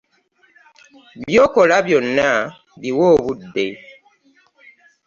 By'okola byonna biwe obudde.